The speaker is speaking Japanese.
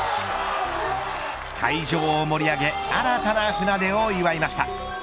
会場を盛り上げ新たな船出を祝いました。